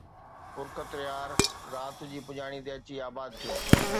فرقت يار رات جي پڄاڻيءَ تي اچي آباد ٿيو